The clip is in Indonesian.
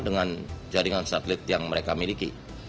dengan jaringan satelit yang mereka miliki